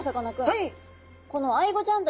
はい！